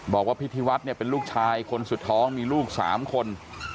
บอกว่าพิธีวัตรเป็นลูกชายคนสุดท้องมีลูกสามคน